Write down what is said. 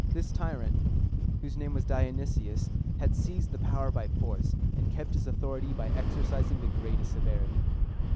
This tyrant, whose name was Di o nys´ius, had seized the power by force, and kept his authority by exercising the greatest severity.